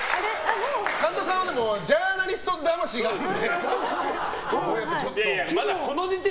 でも神田さんはジャーナリスト魂があるんで。